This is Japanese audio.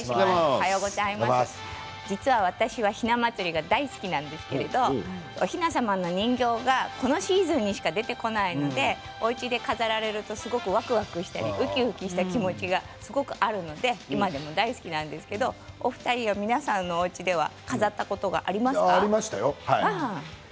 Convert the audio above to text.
実は私はひな祭りが大好きなんですけれどおひな様の人形がこのシーズンにしか出てこないのでおうちで飾られるとすごくわくわくしたりドキドキした気持ちがすごくあるので今でも大好きなんですけれどお二人は皆さんのおうちではありましたよ。